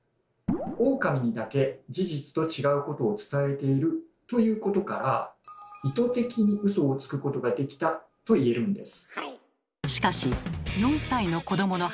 オオカミにだけ事実と違うことを伝えているということから意図的にウソをつくことができたといえるんです。